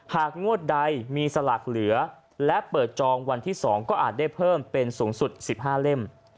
งวดใดมีสลากเหลือและเปิดจองวันที่๒ก็อาจได้เพิ่มเป็นสูงสุด๑๕เล่ม